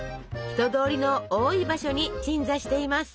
人通りの多い場所に鎮座しています。